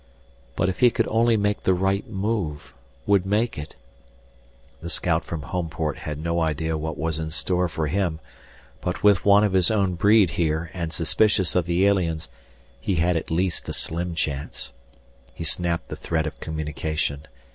But if he could only make the right move would make it The scout from Homeport had no idea what was in store for him, but with one of his own breed here and suspicious of the aliens he had at least a slim chance. He snapped the thread of communication.